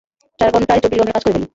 চার ঘন্টায় ছব্বিশ ঘন্টার কাজ করে ফেলি।